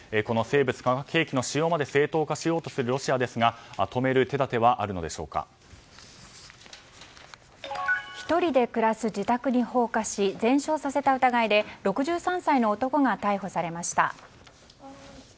この生物・化学兵器の使用まで正当化しようとするロシアですが、止める手立ては１人で暮らす自宅に放火し全焼させた疑いで６３歳の男が逮捕されました。